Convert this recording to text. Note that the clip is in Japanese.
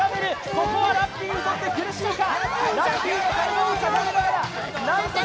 ここはラッピーにとっては苦しいか。